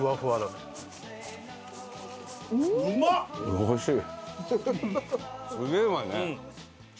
おいしい！